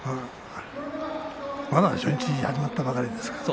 まだ初日始まったばかりですから。